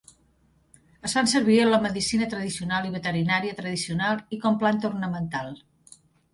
Es fa servir en la medicina tradicional i veterinària tradicional i com planta ornamental.